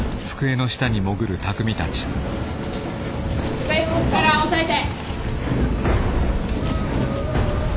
机動くから押さえて。